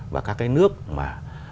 và các cái nước mà